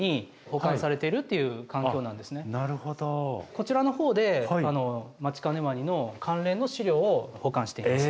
こちらのほうでマチカネワニの関連の資料を保管しています。